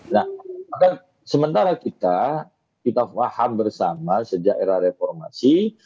nah maka sementara kita kita faham bersama sejak era reformasi